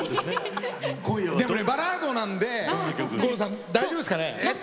でもバラードなんで五郎さん大丈夫ですかね？